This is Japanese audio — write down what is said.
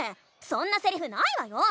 そんなセリフないわよ！